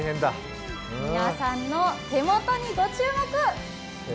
皆さんの手元にご注目！